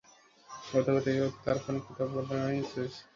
গতকাল থেকে ও তার ফোনে কথা বলেই চলছে।